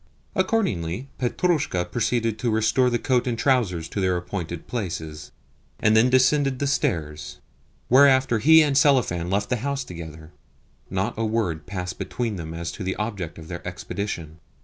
Accordingly Petrushka proceeded to restore the coat and trousers to their appointed places, and then descended the stairs; whereafter he and Selifan left the house together. Not a word passed between them as to the object of their expedition.